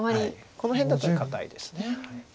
この辺だったら堅いです。